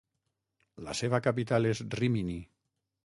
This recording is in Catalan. La seva capital és Rímini.